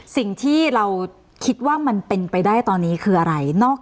สิ่งที่เราคิดว่ามันเป็นไปได้ตอนนี้คืออะไรนอก